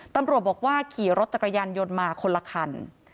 ตำรวจบอกว่าขี่รถจักรยานยนต์มาคนละคัน